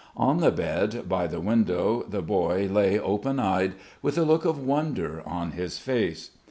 On the bed, by the window, the boy lay open eyed, with a look of wonder on his face.